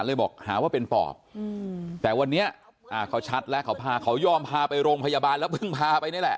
บอกหาว่าเป็นปอบแต่วันนี้เขาชัดแล้วเขาพาเขายอมพาไปโรงพยาบาลแล้วเพิ่งพาไปนี่แหละ